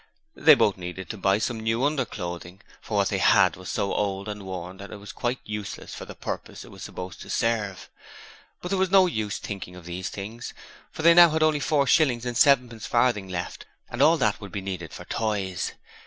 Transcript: They both needed some new underclothing, for what they had was so old and worn that it was quite useless for the purpose it was supposed to serve; but there was no use thinking of these things, for they had now only four shillings and sevenpence farthing left, and all that would be needed for toys.